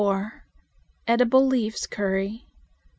Edible Leaves Curry.